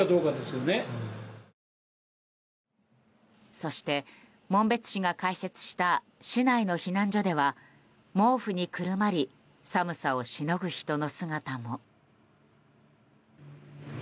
そして、紋別市が開設した市内の避難所では毛布にくるまり寒さをしのぐ人の姿も。